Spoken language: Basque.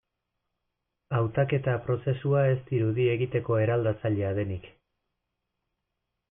Hautaketa prozesua ez dirudi egiteko eraldatzailea denik.